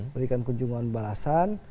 berikan kunjungan balasan